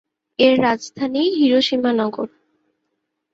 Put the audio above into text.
এর রাজধানী হিরোশিমা নগর।